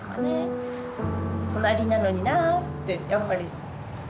隣なのになってやっぱり。